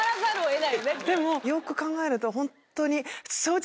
でもよく考えるとホントに。